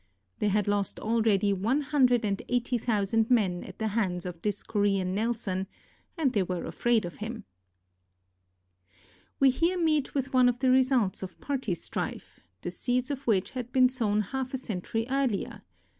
They had lost already one hundred and eighty thousand men at the hands of this Korean Nelson, and they were afraid of him. 271 KOREA We here meet with one of the results of party strife, the seeds of which had been sown half a century earlier.